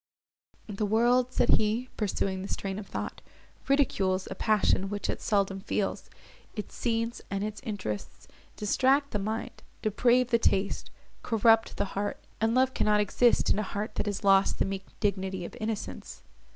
"The world," said he, pursuing this train of thought, "ridicules a passion which it seldom feels; its scenes, and its interests, distract the mind, deprave the taste, corrupt the heart, and love cannot exist in a heart that has lost the meek dignity of innocence.